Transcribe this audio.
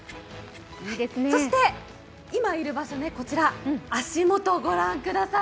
そして今いる場所、足元をご覧ください。